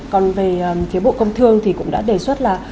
còn về phía bộ công thương thì cũng đã đề xuất là